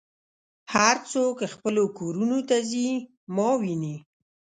هر څوک خپلو کورونو ته ځي ما وینې.